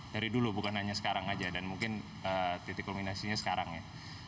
dari dulu bukan hanya sekarang aja dan mungkin titik kulminasinya sekarang ya